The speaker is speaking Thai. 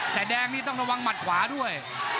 แต่แดงนี่ต้องระวังหมัดขวาด้วย